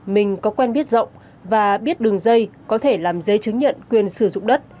mình có quen biết rộng và biết đường dây có thể làm giấy chứng nhận quyền sử dụng đất